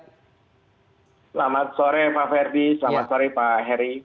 selamat sore pak ferdi selamat sore pak heri